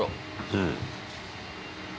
うん。